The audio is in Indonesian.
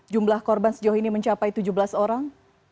jumlah korban sejauh ini mencapai tujuh belas orang